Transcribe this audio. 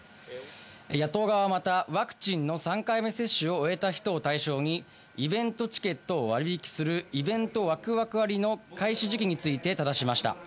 野党側はまた、ワクチンの３回目接種を終えた人を対象に、イベントチケットを割引するイベントワクワク割の開始時期について、ただしました。